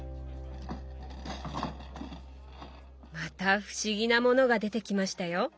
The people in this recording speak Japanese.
また不思議なものが出てきましたよ。